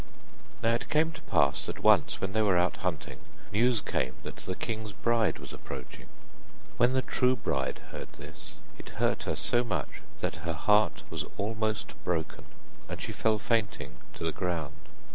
Now it came to pass that once when they were out hunting, news came that the king's bride was approaching. When the true bride heard that, it hurt her so much that her heart was almost broken, and she fell fainting to the ground.